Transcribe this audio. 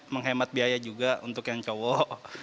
menghemat biaya juga untuk yang cowok